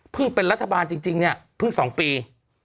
เป็นรัฐบาลจริงเนี่ยเพิ่ง๒ปี